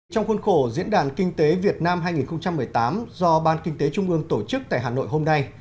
trong khuôn khổ diễn đàn kinh tế việt nam hai nghìn một mươi tám do ban kinh tế trung ương tổ chức tại hà nội hôm nay